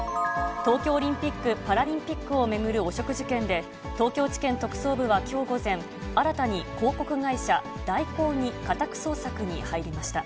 東京オリンピック・パラリンピックを巡る汚職事件で、東京地検特捜部はきょう午前、新たに広告会社、大広に家宅捜索に入りました。